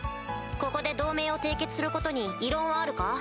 ここで同盟を締結することに異論はあるか？